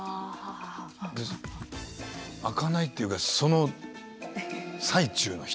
で開かないっていうかその最中の人。